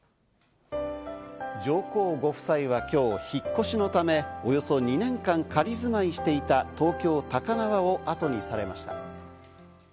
上皇ご夫妻は今日、引っ越しのためおよそ２年間、仮住まいしていた東京・高輪をあとにされました。